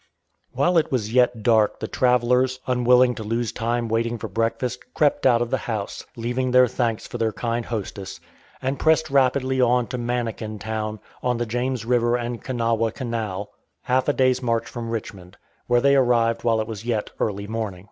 While it was yet dark the travelers, unwilling to lose time waiting for breakfast, crept out of the house, leaving their thanks for their kind hostess, and pressed rapidly on to Manikin Town, on the James River and Kanawha Canal, half a day's march from Richmond, where they arrived while it was yet early morning.